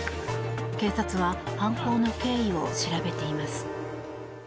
警察は犯行の経緯を調べています。